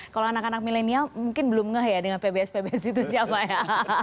kalau anak anak milenial mungkin belum ngeh ya dengan pbs pbs itu siapa ya